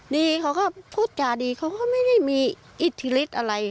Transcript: ดีเขาก็พูดจาดีเขาก็ไม่ได้มีอิทธิฤทธิ์อะไร